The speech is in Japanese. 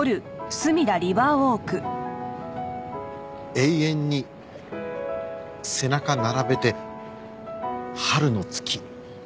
「永遠に背中並べて春の月」。